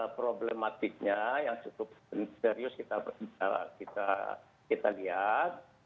problematiknya yang cukup serius kita lihat